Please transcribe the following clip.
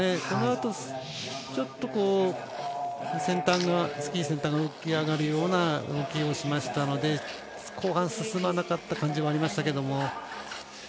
このあと、ちょっとスキーの先端が浮き上がるような動きをしましたので後半進まなかった感じはありましたけど。